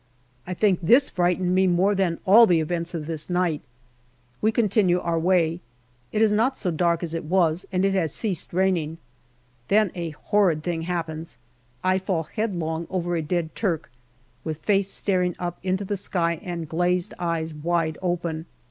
I think this frightened me more than all the events of this night. We continue our way. / It is not so dark as it was, and it has ceased raining. Then a horrid thing happens. I fall headlong over a dead Turk, with face staring up into the sky and glazed eyes wide open.